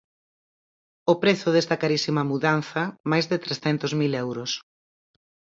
O prezo desta carísima mudanza, máis de trescentos mil euros.